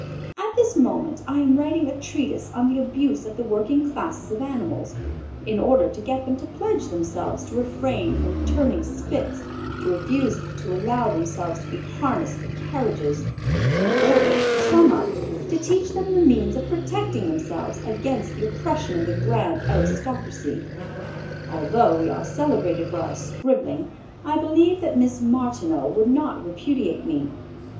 At this moment I am writing a treatise on the abuse of the working classes of animals, in order to get them to pledge themselves to refrain from turning spits, to refuse to allow themselves to be harnessed to carriages, in order, to sum up, to teach them the means of protecting themselves against the oppression of the grand aristocracy. Although we are celebrated for our scribbling I believe that Miss Martineau would not repudiate me.